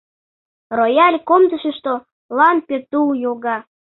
Рояль комдышышто лампе тул йолга.